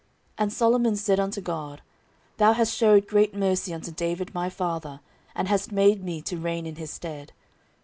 14:001:008 And Solomon said unto God, Thou hast shewed great mercy unto David my father, and hast made me to reign in his stead.